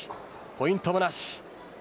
ポイントもなし。